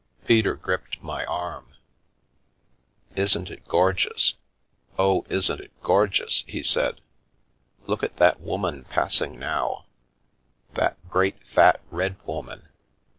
Peter gripped my arm. Isn't it gorgeous? Oh, isn't it gorgeous?" he said. Look at that woman passing now — that great, fat, red woman.